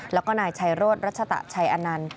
แล้วก็นายชัยโรธรัชตะชัยอนันต์